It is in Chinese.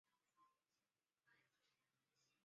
树火纪念纸博物馆管理。